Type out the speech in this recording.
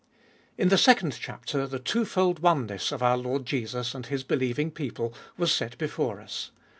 IN the second chapter the twofold oneness of our Lord Jesus and His believing people was set before us.